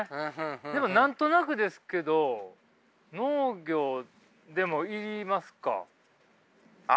でも何となくですけど農業でもいりますか？